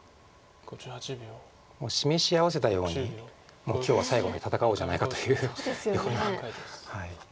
示し合わせたようにもう今日は最後まで戦おうじゃないかというような。